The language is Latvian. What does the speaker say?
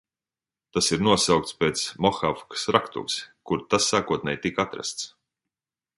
Tas ir nosaukts pēc Mohavkas raktuves, kur tas sākotnēji tika atrasts.